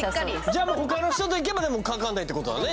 じゃ他の人と行けばかかんないってことだね